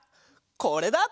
これだ！